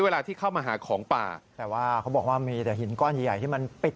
เวลาที่เข้ามาหาของป่าแต่ว่าเขาบอกว่ามีแต่หินก้อนใหญ่ใหญ่ที่มันปิด